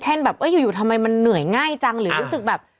แบบอยู่ทำไมมันเหนื่อยง่ายจังหรือรู้สึกแบบ